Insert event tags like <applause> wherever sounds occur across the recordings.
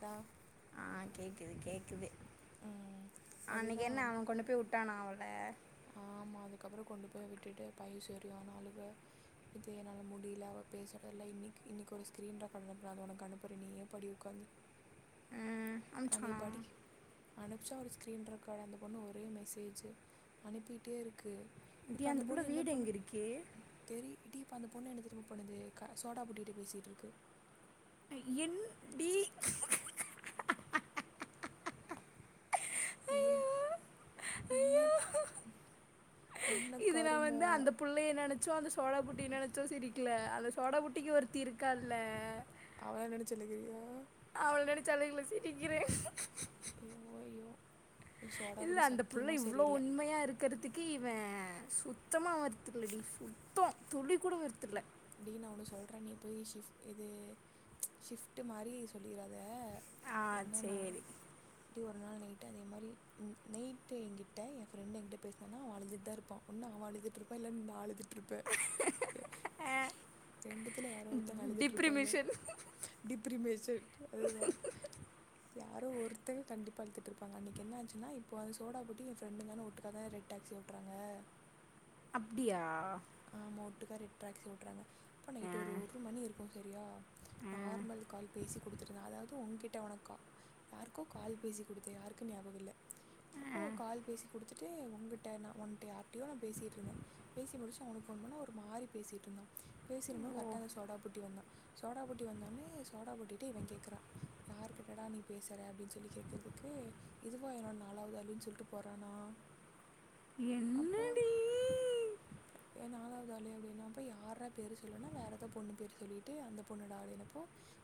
டா ஆ கேக்குது கேக்குது ம் அன்னைக்கி அதுதான் என்ன அவ கொண்டு போய் வுட்டானா அவள ம்மா அதுக்கப்புற கொண்டு போய் விட்டுட்டு பைய செரியான அழுக இதே என்னால முடில அவ பேசுறதல்ல இன்னைக்கி இன்னைக்கு ஒரு ஸ்கிரீன் ரெக்காடு அனுப்புனா அது ஒனக்கு அனுப்புறே நீயேப் படி உக்காந் உம் அம்ச்சானா அனுப்ச்சா ஒரு ஸ்கிரீன் ரெக்காடு அந்த பொண்ணு ஒரே மெசேஜு அனுப்பிட்டேருக்கு இப்ப டி அந்த புள்ள அந்தப்பொண்ணு வீடு என்னப்பன் எங்க இருக்கு தெரி எடி இப்போ அந்த பொண்ணு என்ன தெரிமா பண்ணுது க சோடாபுட்டிட்ட பேசிட்ருக்கு என் டி ஐயோ என் ஐயோ என்னக் இது நா வந்து அந்த புள்ளைய நெனச்சோ அந்த சோடா புட்டிய நெனச்சோ சிரிக்கல அந்த சோடாபுட்டிக்கு ஒருத்தி இருக்கால்ல அவள நெனச்சு அழுகுறியா டிக்கிறே யோ யோ இல்ல அந்தப் புள்ள இவ்ளோ உண்மையாருக்கு இக்கறதுக்கு இவ சுத்தமா வொர்த் இல்லடி சுத்தோ துளி கூட வொர்த் இல்ல டி நா ஒன்னு சொல்றே நீ போய் ஷிஃப் இது ஷிஃப்ட்டு மாரி சொல்லிறாத ஆ சேரி ப்டி ஒரு நாள் நைட்டு அதே மாரி உம் நைட்டு எங்கிட்ட ஏ ஃப்ரெண்டு் எங்கிட்ட பேஸ்னனா அவ அழுந்துட்தா இருப்பா ஒன்னா அவ அழுதுட்ருப்பா இல்ல நா அழுதுட்ருப்பே ரெண்டுத்துல யாரோ ஒருத்தங்க அழுதுட்ருப்பாங்க டிப்ரிமிஷன் டிப்பிரிமேஷன் அதுதா யா யாரோ ஒருத்த கண்டிப்பா இழுதுட்ருப்பாங்க அன்னைக்கி என்னாச்சுன்னா இப்போ அது சோடா புட்டி ஏ ஃப்ரண்டுங்கனு ஒட்டுக்காதா ரெட் டேக்ஸி ஓட் அப்டியா ஆ மோட்டுக்கார் ரேட் டாக்ஸி ஓட்றாங்க ப்ப ஆ நைட்டு ஒரு ஒரு மணி இருக்கு சேரியா ஆ நார்மல் கால் பேசி குடுத்திருந்தாங் அதாவது உங்கிட் ட ஒனக்கோ யாருக்கோ கால் பேசி கொடுத்தே யாருக்கு ஞாபக இல்ல டக் அப்போ ஆ கால் பேசி குடுத்துட்டே உங்கிட்ட நா ஒன்ட்ட யார்டையோ நா பேசிட்டு இருந்தே பேசி முடிச் அவனுக்கு ஃபோன் பண்ணா ஒரு மாரி பேசிட்ருந்தா பேசிரும்போ ஓ கட்டா அந்த சோடா புட்டி வந்தா சோடா புட்டி வந்தோனே சோடா புட்டிட்ட இவன் கேக்குறா யாரு கிட்ட டா நீ பேசுற அப்டின்னு சொல்லி கேக்குறதுக்கு இதுவா என்னோ நாலாவது அலினு சொல்ட்டு போறானா <inaudible> அப்போ என்னடி ஏ நாலாவது ஆளு அப்டின்னாப்ப யார்ரா பேரு சொல்லுனா வேற ஏதோ பொண்ணு பேரு சொல்லிட்டு அந்த பொண்ணுடா அப்டினப்போ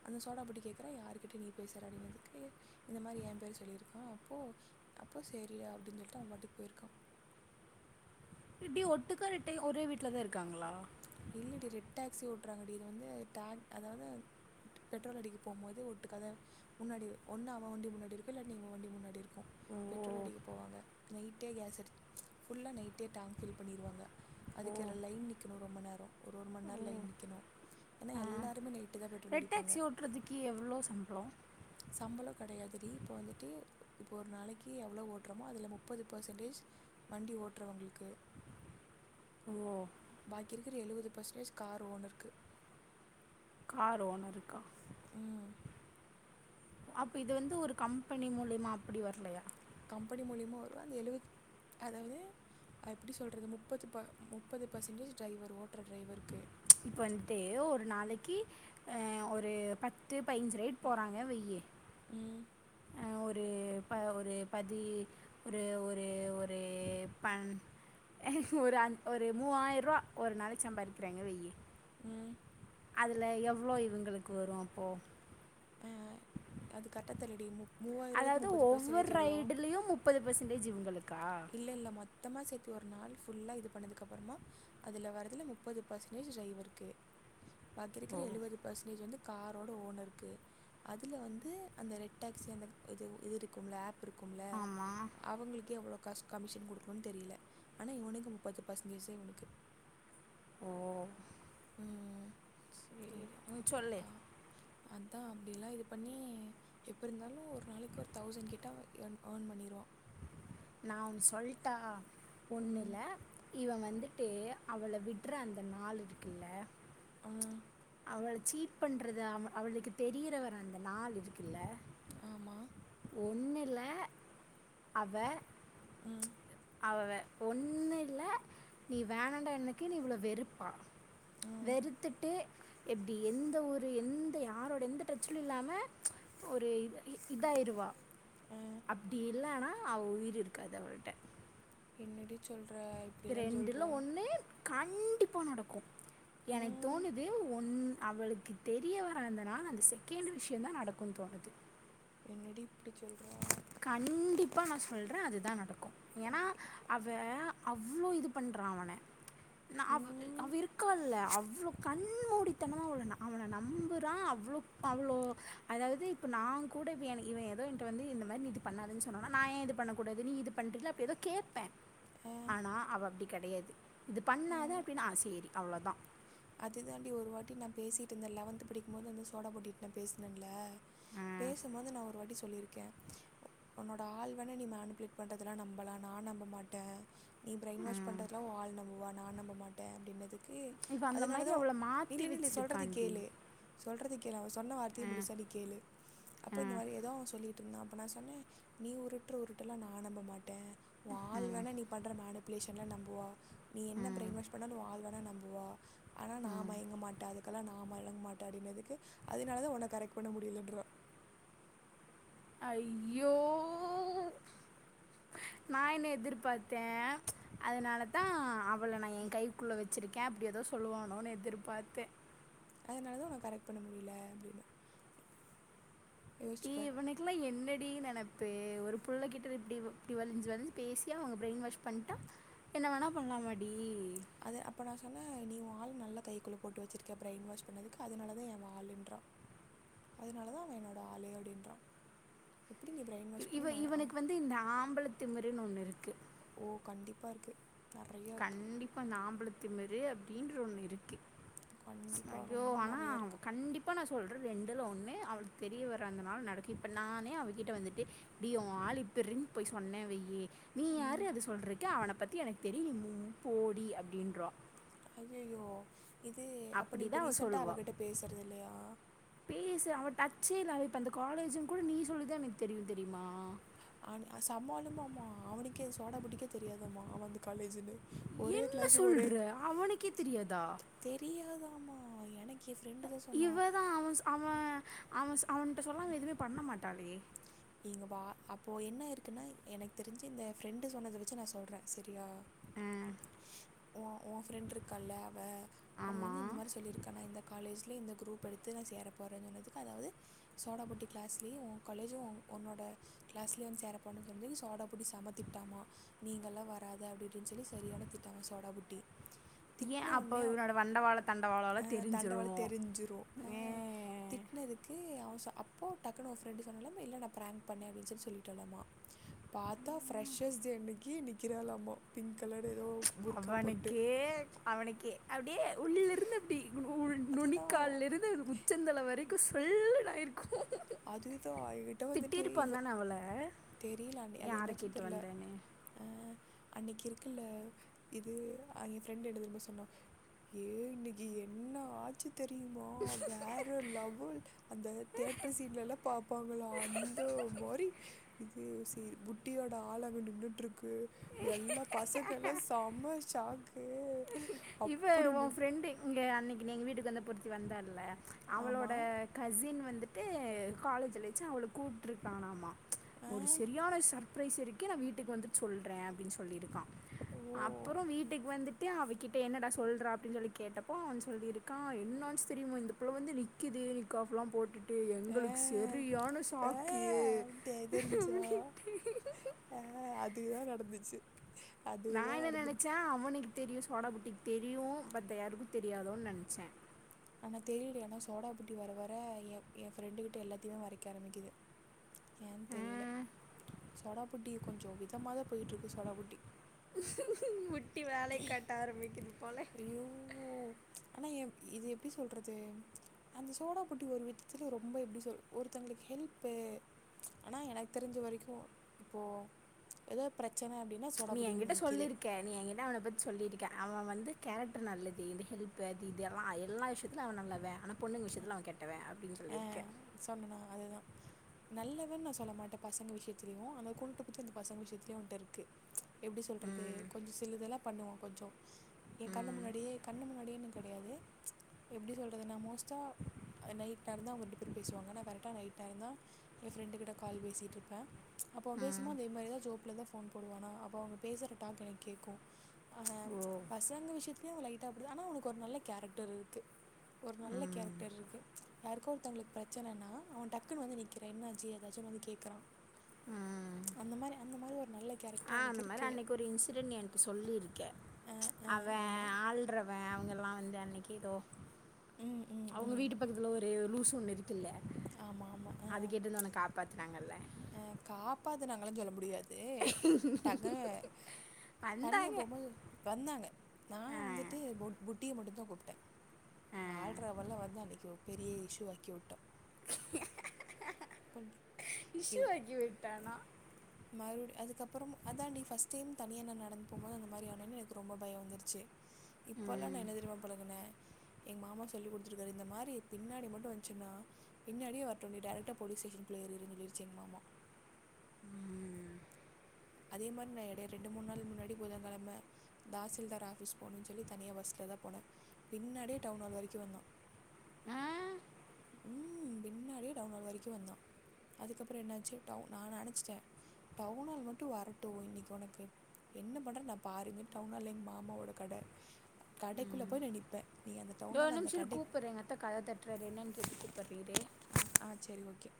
அந்த சோடா புட்டி கேக்குறா யாருகிட்ட நீ பேசற அடினதுக்கு இந்த மாரி என் பேரு சொல்லிருக்கா அப்போ அப்போ சேரி அப்டினு சொல்ட்டு அவன் பாட்டுக்கு போயிருக்கா இப்டி ஒட்டுக்காரெட்டே ஒரே வீட்லதா இருக்காங்ளா இல்லடி ரெட் டாக்ஸி ஓட்றாங்கடி இது வந்து டாங் அதாவது பெட்ரோல் அடிக்கு போம்போது ஒட்டுக்காதா முன்னாடி ஒன்னு அவன் வண்டி முன்னாடி இருக்கு இல்ல நீ இவ வண்டி முன்னாடி இருக்கு ஓ பெட்ரோல் அடிக்க போவாங்க நைட்டே கேஸெடு ஃபுல்லா நைட்டே டேங்க் ஃபில் பண்ணிருவாங்க ஓ அதுக்கேர லைன் நிக்கணு ரொம்ப நேர ஒரு ஒரு மண் நேர ஓ லைன் நிக்கணு ஏனா ஆ எல்லாருமே நை ரெட் டாக்சி ஓட்றதுக்கு எவ்ளோ சம்பளம் சம்பளம் கெடயாதுடி இப்போ வந்துட்டு இப்போ ஒரு நாளைக்கு எவ்ளோ ஓட்றோமோ அதுல முப்பது பெர்சன்டேஜ் வண்டி ஓட்றவுங்களுக்கு <inaudible> பாக்கி இருக்குற எழுவது பெர்சன்டேஜ் கார் ஓனருக்கு காரு ஓனருக்கா ம் அப் இது வந்து ஒரு கம்பெனி மூலியமா அப்டி வரலயா கம்பனி மூலியமா வரு அந்த எழுவது அதாவது எப்டி சொல்றது முப்பது ப முப்பது பர்சன்டேஜ் டிரைவர் ஓட்டுற டிரைவருக்கு ச் இப்ப வந்ட்டு ஒரு நாளைக்கி அ ஒரு பத்து பதிஞ்சு ரைட் போறாங்க வையி ம் ஆ ஒரு ப ஒரு பதி ஒரு ஒரு ஒரு பண் ஹ ஹ ஒரு அன் ஒரு மூவாயி ரூபா ஒரு நாளைக் சம்பாரிக்கிறாங்க வய்யி ம் அதுல எவ்ளோ இவுங்களுக்கு வரு அப்போ ஆ அது கட்டத்தெர்லடி மு அதாவது ஒவ்வொரு ரைடுலயு முப்பது பெர்சன்டேஜ் இவுங் இல்ல இல்ல மொத்தமா சேத் த்து ஒரு நாள் ஃபுல்லா இது பண்ணதுக்கப்பறமா அதுல வரதுல முப்பது பர்சன்டேஜ் ட்ரைவர்க்கு <inaudible> பாக்கி இருக்கிற எழுபது பெர்சன்டேஜ் வந்து காரோட ஓனருக்கு அதுல வந்து அந்த ரெட் டாக்சி அந்த இது இது இருக்கும்ல ஆப் புருக்கும்ல ஆமாம் அவுங்களுக்கு எவ்ளோ காஸ் கமிஷன் குடுக்கணும்னு தெரில ஆனா இவனுக்கு முப்பது பர்சன்டேஜே இவனுக்கு ஓ ம் சேரி ம் சொல்லு அதா அப்டிலா இது பண்ணி எப்போ இருந்தாலு ஒரு நாளைக்கு ஒரு தௌசண்ட் கிட்ட எ ஏர்ன் ஓன் பண்ணிருவா <inaudible> நா ஒன் சொல்ட்டா ஒண்ணுல ம் இவ வந் துட்டு அவள விட்ற அந்த நாள் இருக்குல்ல ம் அவள சீட் பண்றது அவ அவளுக்கு தெரியிறவர அந்த நாள் இருக்குல்ல ஆமா ஒன்னில்ல அவ ம் அவெ ஒன்னு இல்ல நீ வேணாண்டா எனக்கு நீ இவ்ள வெறுப்பா ம் வெறுத்துட்டு எப்டி எந்த ஊரு எந்த யாரோட எந்த டச்லையு இல்லாம ஒரு இத இ இதாயிருவா ஆ அப்டி இல்லனா அவ உயிரு இருக்காது அவள்ட்ட என்னடி சொல்கிற இப்படிலாம் சொல்கிற ரெண்டுல ஒன்னு கண்டிப்பா நடக்கு எனக் ம் தோணுது ஒன் அவளுக்கு தெரிய வராதனால அந்த செகேண்டு விஷ்யொந் தா நடக்குன் தோணுது என்னடி இப்டி சொல்ற கண்டிப்பா நா சொல்ற அதுதா நடக்கு ஏன்னா அவ அவ்ளோ இது பண் ற அவன ந அவ் ம் அவ இருக்கால்ல அவ்ளோ கண் ண் மூடித்தனமா அவள அவன நம்புறா அவ்ளோ அவ்ளோ அதாவ்து இப்ப நாங் கூட வி எனக் இவ ஏதோ என்ட்ட வந்து இந்த மாரி நீ இது பண்ணாதன் சொன்னோனா நா ஏ இது பண்ணக் கூடாது நீ இது பண்றீல அப்ப ஏதோ கேப்ப ஆ ஆனா அவ அப்டி கெடையாது இது பண்ணாத ம் அப்டின்னா ஆ சேரி அவ்ளோதா அதுதாண்டி ஒரு வாட்டி நா பேசியிட்ருந்த லெவன்த்து படிக்கும் போது அந்த சோடா புட்டிட் நா பேஸ்னன்ல பேசம்மோது நா ஒரு வாட்டி சொல்லிருக்கே உ ஒன்னோட ஆழ்வன நீ மேனுப்புளேட் பண்றதெல்லா நம்பலா நான நம்ப மாட்ட நீ ப்ரைன் வாஷ் பண்றத்லா ஓ ஆள் நம்புவா நா நம்ப மாட்டே அப்டின்னதுக்கு இவ அந்த அதுனால மாரி தா ஒ அவள மாத்தி நில்லு நில்லு சொல்றதக் வச்சிருக்கான்டி. கேளுே சொல்றத கேளு அவ சொன்ன வார்த்தைய முழுசா நீ கேளு அப்பொ அ இந்த மாரியேதா அவ சொல்லியிட்ருந்தா அ ப்ப சொன்னே நீ உருட்ற உருட்டெல்லா நா நம்ப மாட்ட ஓ ஆள் வேணா நீ பண்ற மேனுப் ப்ளேஷன நம்புவா நீ என்ன ப்ரைன் வாஷ் பண்ணாலு ஓ ஆள் வேணா நம்புவா ஆனா நா மயங்க மாட்ட அது க்கல்லா நா மழங் மாட்ட அப்டின்னதுக்கு அதுனாலதா ஒன்ன கரெக்ட் பண்ண முடியிலன்றா ஐய்யோ நா என்ன எதிர்பாத்தே அதுனாலத்தா அவள நா ஏங் கைக்குள்ள வச்சிருக்கே அப்டி தோ சொல்லுவானோனு எதிர்பாத்தே த்னாலதா உன்ன கரெக்ட் பண்ண முடில அப்டின்ன ஏ இவனுக்குல்லா என்னடி நெனப் தூ ஒரு புள்ளக் கிட்ட இப்டி இப்டி வழ்ஞ்சி வழ்ஞ்சி பேசி அவங்க ப்ரைன் வாஷ் பண்ணிட்டா என்னா வேணா பண்லாமாடீ அது அப்ப நா சொன்ன நீ ஓ ஆள் நல்ல கைக்குள்ள போட்டு வச்சிருக்க ப்ரைன் வாஷ் பண்ணதுக்கு அதுனாலதே ஏ வாளுன்றா அதுனாலதா அவ என்னோட ஆளு அப்டின்றா இவ இவனுக்கு வந்து இந்த ஆம்பளத் திமுருனு ஒண்ணு இருக்கு ஓ கண்டிப்பா இருக்கு கண்டிப்பா இந்த ஆம்பளத் திமுரு அப்டின்ற ஒண்ணு இருக்கு ஸ் கண்டிப்பாக ஐயோ ரொம்ப ஆனா நிறைய இருக்கு கண்டிப்பா நா சொல் ற ரெண்டுல ஒண்ணு அவளுக் தெரிய வர்ற அந்த நாள் நடக்கு இப்ப நானே அவக்கிட்ட வந்துட்டு டீ ஓ ஆள் இப்புர் டின் போய் சொன்னே வெய்யி நீ ம் யார்றீ அது சொல்றக்கு அவனப் பத்தி எனக்கு தெரியு நீ மூ போடி அப்டின்ருவா ஐயையோ இது அப்ப நீ இப்ப அப்படிதான் அவ ரீசன்ட்டா சொல்லுவா. அவக்கிட்ட பேசற்து இல்லையா பேசு அவ டச்சே இல்ல அவ இப்ப இந்த காலேஜுன் கூட நீ சொல்லிதா எனக்கு தெரியு தெரியுமா ஆனு அ சம்மாலுமாம்மா அவனுக்கே சோடாப்புட்டிக்கே தெரியாதாமா அவ அந்த காலேஜுனு ஒரே என்ன க்ளாஸு ஒரே சொல்ற? அவனுக்கே தெரியாதா? தெரியாதா இவதா அவ ஸ் அவ அவ ஸ் அவன்ட்ட சொல்லாத எதுமே பண்ண மாட்டாலே இங்க வா அப்போ என்ன இருக்குன்னா எனக்கு தெரிஞ்சி இந்த ஃப்ரெண்டு சொன்னத வெச்சி நா சொல்ற செரியா ஆ ஓ ஓ ஃப்ரெண்ட்ருக்கால்ல அவ அவ ஆமா. வந்து இந்த மாரி சொல்லிருக்கா நா இந்த காலேஜ் ல இந்த க்ரூப் எடுத்து நா சேர போற சொன்னதுக்கு அதாவது சோடாப்புட்டி க்ளாஸ்லயே ஓ காலேஜு ஓ ஒன்னோட க்ளாஸ்லயே வந்து சேரப்போன சொல்லி சோடாப்புட்டி செமத் திட்டாமா நீ இங்கல்லா வராத அப்டி இடின் சொல்லி சரியான திட்டாமா சோடாப்புட்டி <unintelligible> ஏன் அப்போ இவனோட வண்ட வாழோ தண்ட வாழோல ஆ தெரிஞ்சிரு தண்டவாளம் ஏ இதுக்கு அவ சொல் அப்போ டக்குனு ஒ ஃப்ரெண்ட்டு சொன்னலாம இல்ல ப்ராங்க் பண்ண அப்டின் சொல்லி சொல்லிட்டலாமா பாத்தா ஃப்ரெஷஸ் டே அன்னைக்கி நிக்கிறாலாமா பிங்க் கலர் ஏதோ புர்கா போட்டு அவனுக்கே அவனுக்கே அப்டியே உள்ளிருந்து அப்டி அதுதான் நுனிக்கால்லருந்து உச்சந்தல வரைக்கு சல்லுனு அயிருக் அதுதா எங்கிட்ட வந்துட்டு திட்டியிருப்பான் இவே தானே அவளை தெரியலா நீ அது யாரை என்னாச்சுன் கேட்டு தெர்ல வந்தேன்னு அ அன்னைக்கி இருக்குல்ல இது அ என் ஃப்ரெண்டு் என்ன தெரியுமா சொன்னா ஏ இன்னைக்கி என்னாச்சு தெரியுமா வேற லெவல் அந்த தேத் தீட்லல்லா பாப்பாங்களா அந்த மாரி இதுலயே யோசி புட்டியோட ஆளங்க நின்றுட்டுருக்கு எல்லா பசங்கலு சம சாக்கு இவ ஒன் ஃப்ரெண்ட்டு இஙகே அன்னைக்கி நீ எங்க வீட்டுக்கு வந்தப்பொருத்தி வந்தால அவளோட ஆமாம் கசின் வந்துட்டு காலேஜ்லச்சு அவள கூப்ட்ருக்காலாமா ஆ ஒரு செரியான சர்பரைஸிருக்கு நா வீட்டுக்கு வந்துட்டு சொல்றே அப்டின்னு சொல்லியிருக்கா ஓ அப்புறோ வீட்டுக்கு வந்துட்டு அவ கிட்ட என்னடா சொல்றா அப்டின்னு சொல்லி கேட்டப்போ அவே சொல்லிருக்கா என்னாச்சுனு தெரியுமா இந்த புள்ள வந்து நிக்கிது நிக் மாஃப்லா போட்டுட்டு ஏ ஆ எங்களுக்கு செரியான ஆ சாக்கு அப்படின்ட்டு த அதே தா நடந் நா என்ன நெனைச்ச அவனிக் தெரியு சோடாபட்டிக்கி தெரியு பட் யாருக்கு தெரியாதோன்னு நெனைச்ச ஆனா தெரியல ஆனா சோடாபட்டி வர வர என் என் ஃப்ரெண்டு கிட்ட எல்லாத்தையுமே மறைக்க ஆரம்மிக்கிது ஏன்னு தெரியல சோடாபட்டி கொஞ்சோ விதமா தா போயிட்டுருக்கு சோடாபுட்டி புட்டி வேலைய காட்டாரம்பிக்கிது ஐய்யோ ஆனா எ இது எப்பிடி சொல்றது அந்த சோடா புட்டி ஒரு விதத்துல ரொம்ப எப்பிடி சொல் ஒருத்தவங்களுக்கு இப்ப ஆனா எனக்கு தெரிஞ்ச வரைக்கு இப்போ ஏதோ பிரச் நீ எங்கிட்ட சொல்லிருக்க நீ எங்கிட்ட அவனப் பத்தி சொல்லியிருக்க அவ வந் இந்த கேரக்டர் நல்லது இந்த ஹெல்ப் அது இது எல்லா எல்லா விஷயத்திலயு அவ நல்லவ ஆனா பொண்ணுங்க விஷயத்து அவ கேட்டவே அ சொன்னனா அதுதா நல்லவன்னு நா சொல்ல மாட்ட பசங்க விஷயத்தலயு ஆனா <unintelligible> அந்த பசங்க விஷயத்திலயா ஒன்டருக்கு எப்பிடி சொல்றது ம் கொஞ்சோ சிலதெல்லா பண்ணுவோ கொஞ்சோ ஏ கண்ணு ம் முன்னாடியே கண்ணு முன்னாடியேன்னு கெடையாது எப்பிடி சொல்றது நா மோஸ்ட்டா அ நைட் நேரோ தா அவங்க ரெண்டு பேர் பேசுவாங்க நா கரெக்டா நைட் நேரோ தா ஏ ஃப்ரெண்ட்டு கிட்ட கால் பேசிட்டுருப்பே அப்போ அட்வைஸ் போ ம் அதே மாரிதா ஜோப்ல தா போன் போடுவானா அப்ப அவங்க பேசுற டாக் எனக் கேக்கு அ ஓ பசங்க விஷயத்து லயு லைட்டா அப்டிதா ஆனா அவனுக்கு ஒரு நல்ல கேரக்டர் இருக்கு ஒரு நல்ல ம் கேரக்டர்ருக்கு யாருக்கோ ஒருத்தங்களுக்கு பிரச்சனன்னா அவே டக்குன்னு வந்து நிக்கிறே என்னாச்சு ஏதாச்சுன்னு வந்து கேக்குறா ம் அந்த மாரி அந்த மாரி ஒரு நல்ல கேரக்டர் ஆ அவனுக்கு அந்த மாரி இருக்கு அன்னைக்கி ஒரு இன்சிடென்ட் எனக்கு சொல்லியிருக்கே அஹ் அஹ் அவே ஆமா ஆள்றவே அவுங்க லா வந்தே அன்னைக்கி ஏதோ ம் ம் அவுங்க ம் வீட்டு பக்கத்துல ஒரு லூச ஒண்ணு இருக் துல்ல ஆமா ஆமா அது அஹ் கேட்டுலந்து உன்ன காப்பாத்துனாங்கல்ல கலத்து அல்ல முடியாது உ தனியா போம்போது வந்தாங்க நா ஆ வந்துட்டு பொட் பொட்டியை மட்டு தா குப் முத்தே ஆள்றவல்லா வந்து அன்னைக்கி பெரிய இஷூவாக்கி உட்டா கொஞ் இஷு இவ் ஆக்கி விட்டானா மறுபடி அதுக்கப்புறம் அதா டி ஃபஸ்ட் டைம் தனியா நா நடந்து போம்போது அந்த மாரி ஆனோன்னே எனக்கு ரொம்ப பயோ வந்துருச்சு இப்பல்லா நா ம் என்ன தெரியுமா பழகுன எங் மாமா சொல்லி கொடுத்துருக்காரு இந்த மாறி பின்னாடி மட்டு வந்துச்சுன்னா பின்னாடியே வரட்டு நீ டைரக்டா போலீஸ் ஸ்டேஷனுக்குள்ளே ஏறிருஞ்சொல்லிருச்சி எங் மாமா அதே மாரி நா இடை ரெண்டு மூணு நாள் முன்னாடி புதகெழமை தாசில்தார் ஆபிஸ் போகணும்னு சொல்லி தனியா பஸ்ல தான் போனே பின்னாடியே டவுன் ஹால் வரைக்கு வந்தா ஆ ம் பின்னாடியே டவுன் ஹால் வரைக்கு வந்தா அதுக்கப்புற என்னாச்சு டவுன் நான் நெனச்சட்டே டவுனால் மட்டு மட்டு வரட்டு இன்னைக்கு உனக்கு என்ன பண்றேன் நா பாருங்க டவுன் ஹால்ல எங்க மாமாவோட கட கடைக்குள்ள போய் நா நிப்பே தோ ஒரு நிமிஷ இரு கூப்படறே எங்கத்த கதவ தட்டுறாரு என்னன்னு கேட்டு கூப்பட்றே இரு ஆ ஆ சரி ஓகே